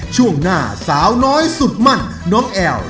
ช่วงหน้าสาวน้อยสุดมั่นน้องแอล